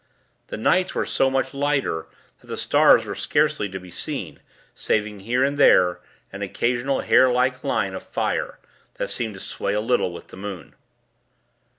The nights were so much lighter, that the stars were scarcely to be seen, saving here and there an occasional hair like line of fire, that seemed to sway a little, with the moon.